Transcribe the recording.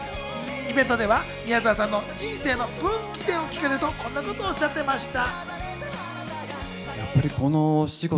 イベントでは宮沢さんの人生の分岐点を聞かれるとこんなことをおっしゃっていました。